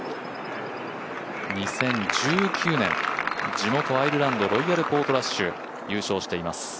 ２０１９年、地元アイルランドロイヤル・ポートラッシュ優勝しています。